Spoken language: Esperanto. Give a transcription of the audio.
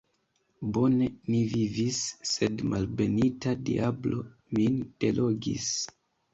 Bone ni vivis, sed malbenita diablo min delogis!